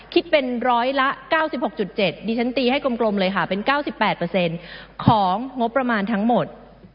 คิดเป็นร้อยละ๙๖๗ดิฉันตีให้กลมเลยค่ะเป็น๙๘ของงบประมาณทั้งหมด